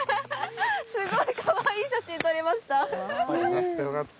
すごいかわいい写真撮れました。